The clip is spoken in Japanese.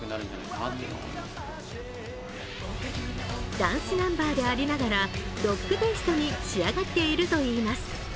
ダンスナンバーでありながらロックテイストに仕上がっているといいます。